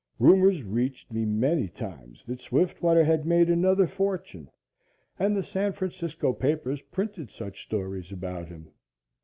Rumors reached me many times that Swiftwater has made another fortune, and the San Francisco papers printed such stories about him.